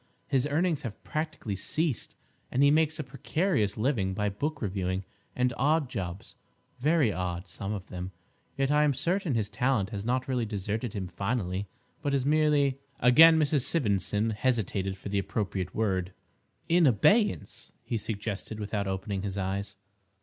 His earnings have practically ceased, and he makes a precarious living by book reviewing and odd jobs—very odd, some of them. Yet, I am certain his talent has not really deserted him finally, but is merely—" Again Mrs. Sivendson hesitated for the appropriate word. "In abeyance," he suggested, without opening his eyes.